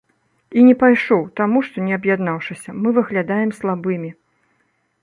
І не пайшоў, таму што, не аб'яднаўшыся, мы выглядаем слабымі.